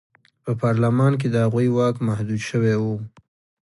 په پارلمان کې د هغوی واک محدود شوی و.